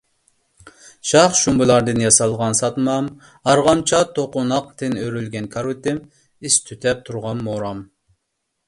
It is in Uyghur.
شاخ - شۇمبىلاردىن ياسالغان ساتمام، ئارغامچا - توقۇناقتىن ئۆرۈلگەن كارىۋىتىم، ئىس تۈتەپ تۇرغان مورام